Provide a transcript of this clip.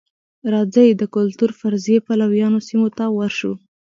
راځئ د کلتور فرضیې پلویانو سیمې ته ورشو.